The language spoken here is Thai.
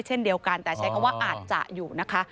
เช่นเดียวกันแต่ใช้คำว่าอาจจะอยู่นะคะ